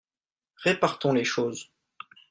Répartons les choses.